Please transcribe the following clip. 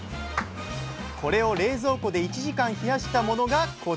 これを冷蔵庫で１時間冷やしたものがこちら。